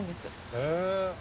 へえ。